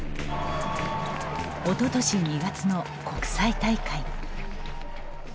おととし２月の国際大会。